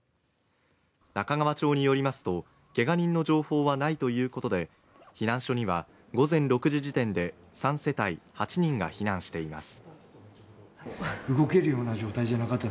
中川町によりますとけが人の情報はないということで避難所には午前６時時点で３世帯８人が避難しています。